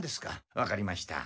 わかりました。